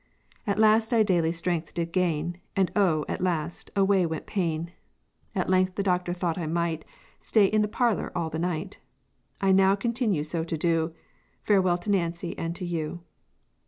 At last I daily strength did gain, And oh! at last, away went pain; At length the doctor thought I might Stay in the parlor all the night; I now continue so to do; Farewell to Nancy and to you.'